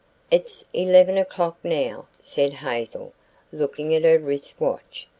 "It's 11 o'clock now," said Hazel, looking at her wrist watch.